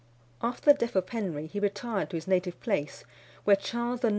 After the death of Henry he retired to his native place, where Charles IX.